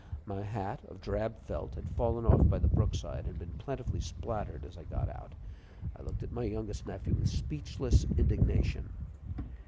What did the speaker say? My hat, of drab felt, had fallen off by the brookside, and been plentifully spattered as I got out. I looked at my youngest nephew with speechless indignation.